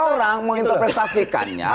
nah orang menginterprestasikannya